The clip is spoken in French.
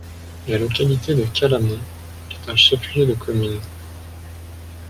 La localité de Kalamon est un chef-lieu de commune.